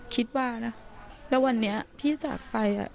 คิดว่านะแล้ววันนี้พี่จากไป